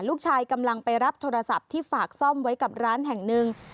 กำลังไปรับโทรศัพท์ที่ฝากซ่อมไว้กับร้านแห่งหนึ่ง